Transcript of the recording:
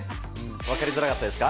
分かりづらかったですか。